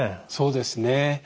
そうですね。